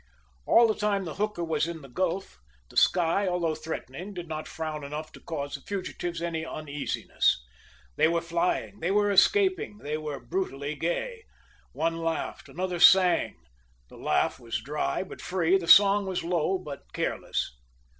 All the time the hooker was in the gulf, the sky, although threatening, did not frown enough to cause the fugitives any uneasiness. They were flying, they were escaping, they were brutally gay. One laughed, another sang; the laugh was dry but free, the song was low but careless.